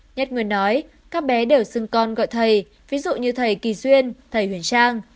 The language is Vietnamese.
nhất nguyên nói các bé đều xưng con gọi thầy ví dụ như thầy kỳ duyên thầy huyền trang